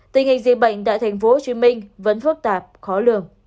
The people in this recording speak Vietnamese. tình hình di bệnh tại tp hcm vẫn phức tạp khó lường